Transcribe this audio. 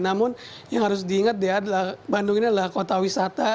namun yang harus diingat ya adalah bandung ini adalah kota wisata